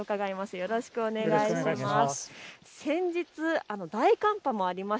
よろしくお願いします。